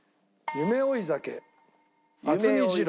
『夢追い酒』